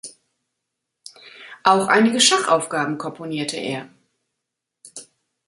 Auch einige Schachaufgaben komponierte er.